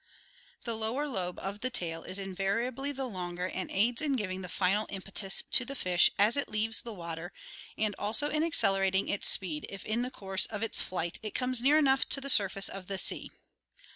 The lower lobe of the tail is invariably the longer and aids in giving the final impetus to the fish as it leaves the water and also in accelerating its speed if in the course of its flight it comes near enough to the surface of the sea.